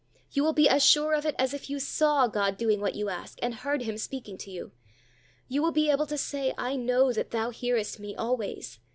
You will be as sure of it as if you saw God doing what you ask, and heard Him speaking to you. You will be able to say, "I know that Thou hearest me always."